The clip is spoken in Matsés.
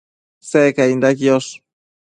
Secainda quiosh